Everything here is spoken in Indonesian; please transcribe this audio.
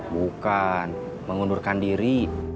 bukan mengundurkan diri